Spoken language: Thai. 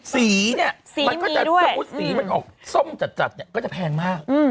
สีเนี่ยมันก็จะสมมุติสีมันออกส้มจัดเนี่ยก็จะแพงมาก